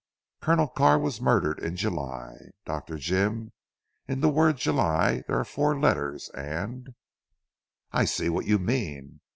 Colonel Carr was murdered in July. Dr. Jim, in the word July there are four letters, and " "I see what you mean.